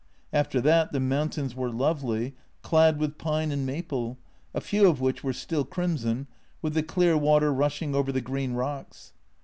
After that the mountains were lovely, clad with pine and maple, a few of which were still crimson, with the clear water rushing over the green rocks.